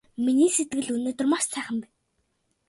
Миний сэтгэл өнөөдөр маш сайхан байна!